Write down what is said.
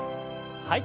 はい。